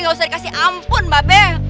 gak usah dikasih ampun mbak be